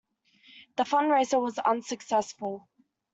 The fundraiser was unsuccessful.